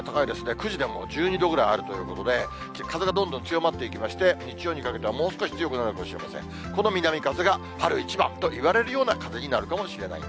９時でもう１２度ぐらいあるということで、風がどんどん強まっていきまして、日曜にかけてはもう少し強くなるかもしれません。